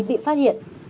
bị phát hiện